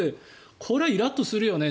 これはイラッとするよね